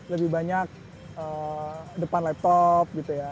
lebih banyak depan laptop gitu ya